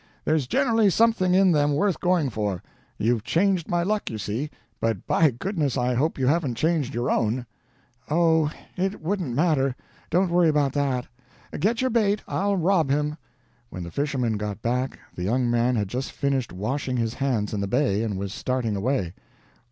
There's generally something in them worth going for. You've changed my luck, you see. But my goodness, I hope you haven't changed your own." "Oh, it wouldn't matter; don't worry about that. Get your bait. I'll rob him." When the fisherman got back the young man had just finished washing his hands in the bay, and was starting away.